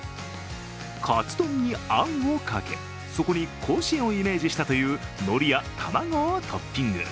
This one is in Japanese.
かつ丼にあんをかけ、そこに甲子園をイメージしたというのりや卵をトッピング。